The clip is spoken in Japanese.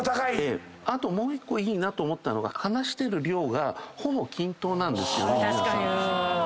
あともう１個いいなと思ったのが話してる量がほぼ均等なんです皆さん。